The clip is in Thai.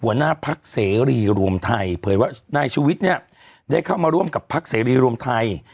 หัวหน้าพักเสรีรวมไทยเผยว่านายชุวิตเนี่ยได้เข้ามาร่วมกับพักเสรีรวมไทย